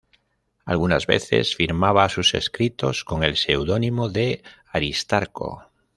Algunas veces firmaba sus escritos con el seudónimo de Aristarco.